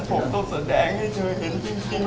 ผมต้องแสดงให้เธอเห็นจริง